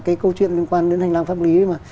cái câu chuyện liên quan đến hành lang pháp lý mà